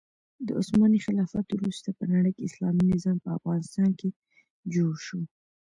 د عثماني خلافت وروسته په نړۍکې اسلامي نظام په افغانستان کې جوړ شو.